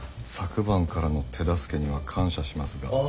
昨晩からの手助けには感謝しますが。